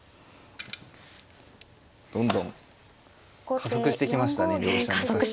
どんどん加速してきましたね両者の指し手が。